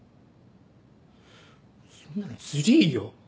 そんなのずりぃよ。